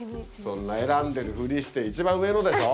そんな選んでるふりして一番上のでしょ！